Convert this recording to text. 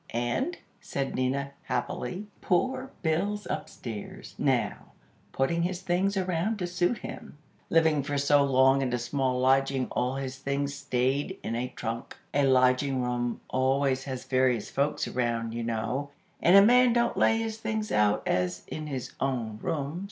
"And," said Nina, happily; "poor Bill's upstairs, now, putting his things around to suit him. Living for so long in a small lodging all his things staid in a trunk. A lodging room always has various folks around, you know, and a man don't lay his things out as in his own room.